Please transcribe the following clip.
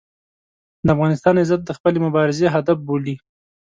د افغانستان عزت د خپلې مبارزې هدف بولي.